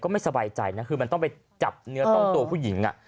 ไม่สบายใจนะคือมันต้องไปจับเนื้อต้องตัวผู้หญิง